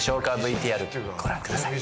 ＶＴＲご覧ください